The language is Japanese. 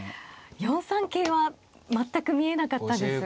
４三桂は全く見えなかったです。